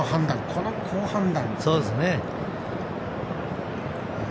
この好判断。